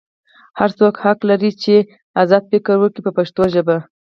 هر څوک حق لري چې ازاد فکر وکړي په پښتو ژبه.